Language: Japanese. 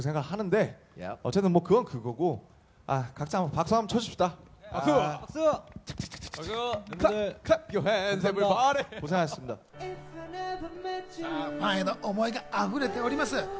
ファンへの思いがあふれております。